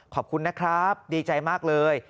ขอบคุณนะครับดีใจมากเลย